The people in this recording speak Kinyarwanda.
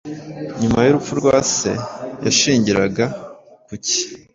nyuma y’urupfu rwa se. Yashingiraga ku ki?